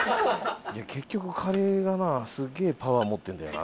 結局カレーがなすげえパワー持ってるんだよな。